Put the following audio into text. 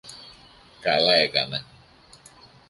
Καλά έκανε!